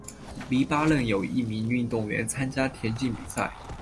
黎巴嫩有一名运动员参加田径比赛。